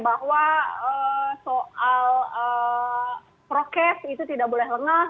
bahwa soal prokes itu tidak boleh lengah